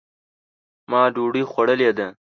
ما ډوډۍ خوړلې ده.